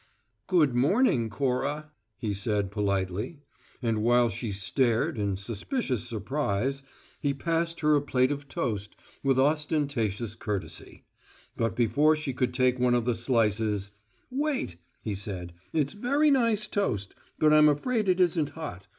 "Good morning, Cora," he said politely, and while she stared, in suspicious surprise, he passed her a plate of toast with ostentatious courtesy; but before she could take one of the slices, "Wait," he said; "it's very nice toast, but I'm afraid it isn't hot.